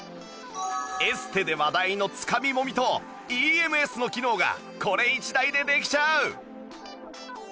エステで話題のつかみもみと ＥＭＳ の機能がこれ１台でできちゃう